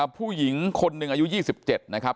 ผู้หญิงคนหนึ่งอายุ๒๗นะครับ